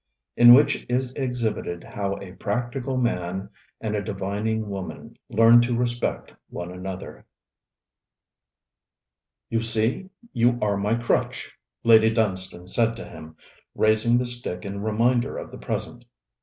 IN WHICH IS EXHIBITED HOW A PRACTICAL MAN AND A DIVINING WOMAN LEARN TO RESPECT ONE ANOTHER 'You see, you are my crutch,' Lady Dunstane said to him, raising the stick in reminder of the present.